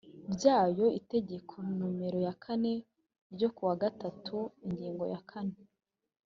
byayo itegeko nomero kane ryo ku wa gatatu ingingo ya kane